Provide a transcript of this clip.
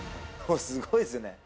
すごいっすね。